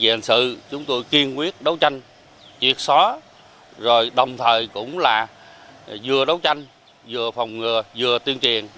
thì hành sự chúng tôi kiên quyết đấu tranh triệt xóa rồi đồng thời cũng là vừa đấu tranh vừa phòng ngừa vừa tiên triền